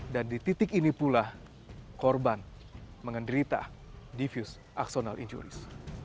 dan di titik ini pula korban mengenderita diffuse axonal injuries